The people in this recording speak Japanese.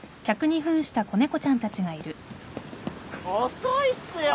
遅いっすよ！